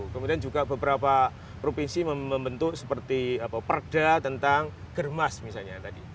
kemudian juga beberapa provinsi membentuk seperti perda tentang germas misalnya tadi